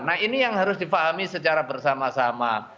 nah ini yang harus difahami secara bersama sama